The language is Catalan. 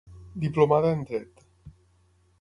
Diplomada en Dret.